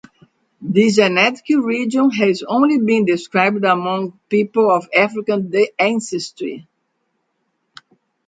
This genetic region has only been described among people of African ancestry.